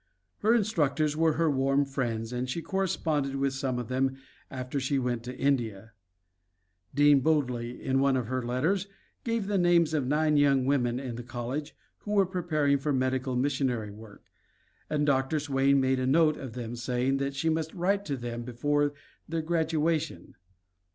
Her instructors were her warm friends and she corresponded with some of them after she went to India. Dean Bodley, in one of her letters, gave the names of nine young women in the college who were preparing for medical missionary work, and Dr. Swain made a note of them, saying that she must write to them before their graduation.